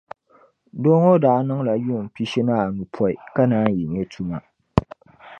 Doo ŋɔ daa niŋla yuun' pishi ni anu pɔi ka naan yi nyɛ tuma.